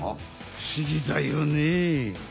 ふしぎだよね。